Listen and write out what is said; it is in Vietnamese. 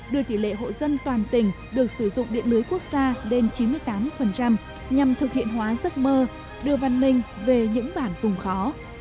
đưa tỷ lệ hộ dân toàn tỉnh được sử dụng điện lưới quốc gia lên chín mươi tám nhằm thực hiện hóa giấc mơ đưa văn minh về những bản vùng khó